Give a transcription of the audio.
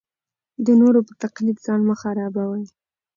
د نورو په تقلید ځان مه خرابوئ.